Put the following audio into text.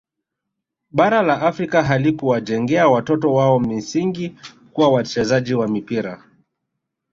Bara la Afrika halikuwajengea watoto wao misingi kuwa wachezaji wa mpira